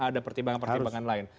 ada pertimbangan pertimbangan lain